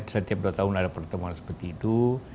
setiap dua tahun ada pertemuan seperti itu